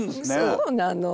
そうなの。